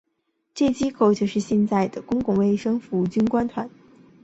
这机构就是现在的公共卫生服务军官团。